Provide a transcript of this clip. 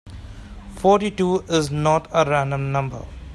Forty-two is not a random number.